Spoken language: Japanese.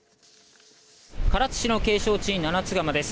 唐津市の景勝地、七ツ釜です。